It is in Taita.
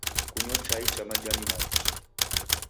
Kunyo chai cha majani maw'ishi.